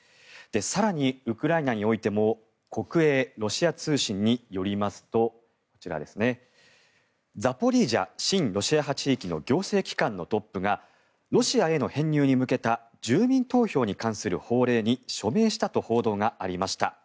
更にウクライナにおいても国営ロシア通信によりますとザポリージャ親ロシア派地域の行政機関のトップがロシアへの編入に向けた住民投票に関する法令に署名したと報道がありました。